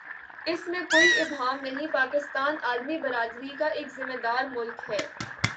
اس میں کوئی ابہام نہیں پاکستان عالمی برادری کا ایک ذمہ دارملک ہے۔